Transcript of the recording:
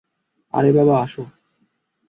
আরে বাবা, আসো!